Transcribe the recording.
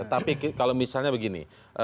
tapi kalau misalnya begini